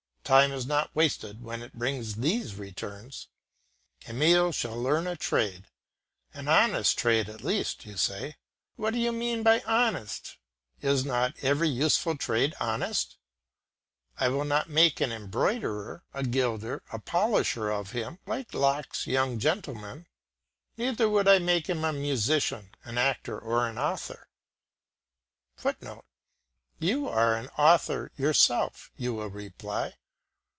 Time is not wasted when it brings these returns. Emile shall learn a trade. "An honest trade, at least," you say. What do you mean by honest? Is not every useful trade honest? I would not make an embroiderer, a gilder, a polisher of him, like Locke's young gentleman. Neither would I make him a musician, an actor, or an author.[Footnote: You are an author yourself, you will reply.